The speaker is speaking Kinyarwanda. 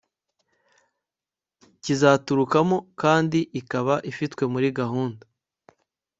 kizaturukamo kandi ikaba ifitwe muri gahunda